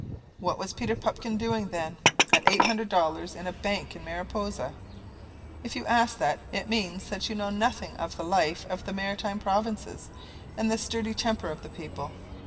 What was Peter Pupkin doing, then, at eight hundred dollars in a bank in Mariposa? If you ask that, it means that you know nothing of the life of the Maritime Provinces and the sturdy temper of the people.